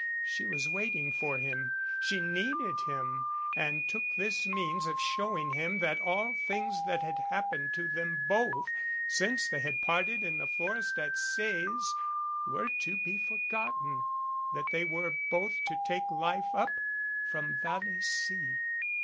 She was waiting for him. She needed him, and took this means of showing him that all things that had happened to them both since they had parted in the forest at Sees were to be forgotten that they were both to take life up from Vallecy.